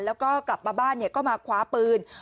แล้วก็กลับมาบ้านก็มาคว้าปืน